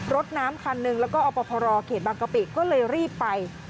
รถน้ำคันหนึ่งแล้วก็อบพรเขตบางกะปิก็เลยรีบไป